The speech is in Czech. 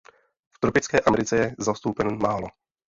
V tropické Americe je zastoupen málo.